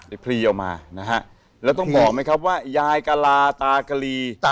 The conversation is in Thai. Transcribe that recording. พลีออกมานะฮะแล้วต้องบอกไหมครับว่ายายกะลาตากะลี